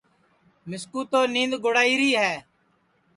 مِسکُو تو نید گُڑائیری ہے